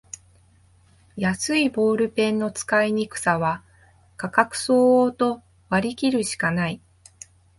安いボールペンの使いにくさは価格相応と割りきるしかない